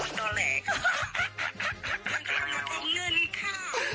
มันก็มาเอาเงินค่ะ